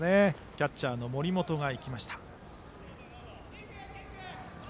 キャッチャーの森本がマウンドへ行きました。